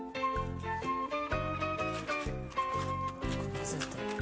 混ぜて。